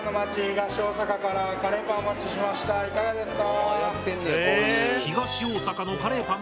いかがですか？